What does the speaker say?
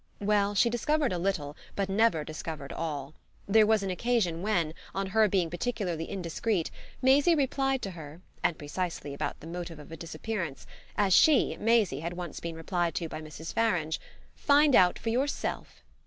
Well, she discovered a little, but never discovered all. There was an occasion when, on her being particularly indiscreet, Maisie replied to her and precisely about the motive of a disappearance as she, Maisie, had once been replied to by Mrs. Farange: "Find out for yourself!"